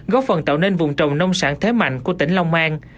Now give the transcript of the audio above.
góp phần tạo nên vùng trồng nông sản thế mạnh của tỉnh long an